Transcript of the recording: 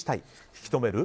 引き止める？